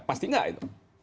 pasti tidak itu